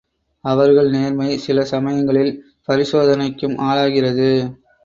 அவர்கள் நேர்மை சில சமயங்களில் பரிசோதனைக்கும் ஆளாகிறது.